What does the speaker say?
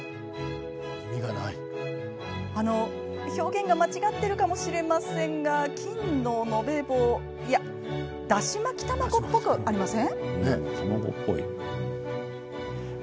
あの、表現が間違っているかもしれませんが金の延べ棒、いやだし巻き卵っぽくありません？